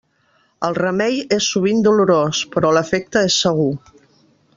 El remei és sovint dolorós, però l'efecte és segur.